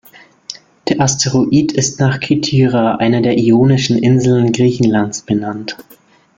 Der Asteroid ist nach Kythira, einer der Ionischen Inseln Griechenlands, benannt.